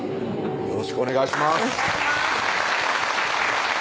よろしくお願いします